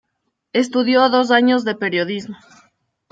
Estudió dos años de periodismo.